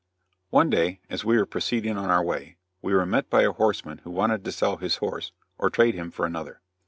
One day as we were proceeding on our way, we were met by a horseman who wanted to sell his horse, or trade him for another.